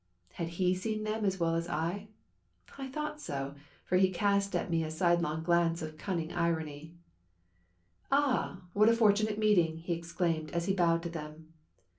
Had he seen them as well as I? I thought so, for he cast at me a sidelong glance of cutting irony. "Ah I what a fortunate meeting !" he exclaimed, as he bowed to them.